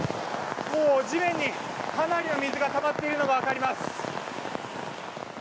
もう地面に、かなりの水がたまっているのが分かります。